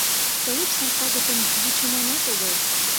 «Тылеч сай пагытым вучыманат огыл.